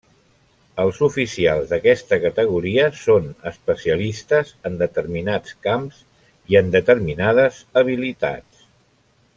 Els oficials d'aquesta categoria són especialistes en determinats camps i en determinades habilitats.